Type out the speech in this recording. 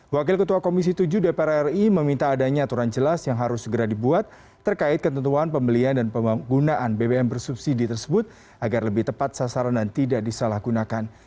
wakil ketua komisi tujuh dpr ri meminta adanya aturan jelas yang harus segera dibuat terkait ketentuan pembelian dan penggunaan bbm bersubsidi tersebut agar lebih tepat sasaran dan tidak disalahgunakan